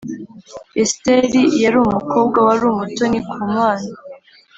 Esiteri yarumukobwa warumutoni kumana